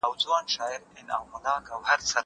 هغه څوک چي ليکلي پاڼي ترتيبوي منظم وي؟